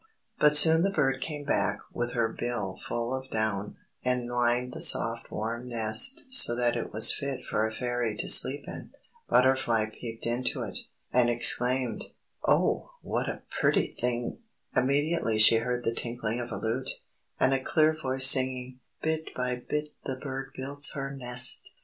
But soon the bird came back with her bill full of down, and lined the soft warm nest so that it was fit for a Fairy to sleep in. Butterfly peeped into it, and exclaimed, "Oh, what a pretty thing!" Immediately she heard the tinkling of a lute, and a clear voice singing: "_Bit by bit the bird builds her nest!